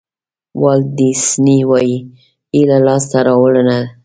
والټ ډیسني وایي هیله لاسته راوړنه ده.